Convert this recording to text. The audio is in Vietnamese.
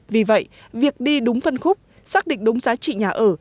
vì vậy việc đi đúng phân khúc xác định đúng giá trị nhà ở